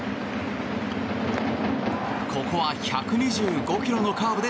ここは１２５キロのカーブ。